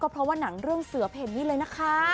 เพราะว่าหนังเรื่องเสือเพ่นนี่เลยนะคะ